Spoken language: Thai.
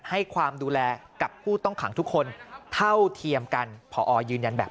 ให้ความดูแลกับผู้ต้องขังทุกคนเท่าเทียมกันพอยืนยันแบบ